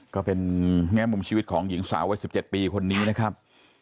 ก็เป็นแง่มุมชีวิตของหญิงสาววัย๑๗ปีคนนี้นะครับ